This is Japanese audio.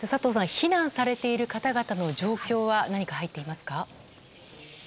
避難されている方々の状況は何か入っていますか？